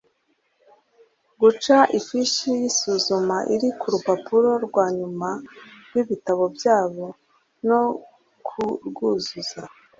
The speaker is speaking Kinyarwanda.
guca ifishi y isuzuma iri ku rupapuro rwa nyuma rw ibitabo byabo no kurwuzuza